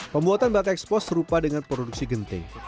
pembuatan batik ekspos serupa dengan produksi genting